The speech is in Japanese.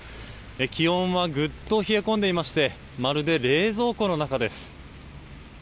気温はぐっと冷え込んでいましてまるで冷蔵庫の中です。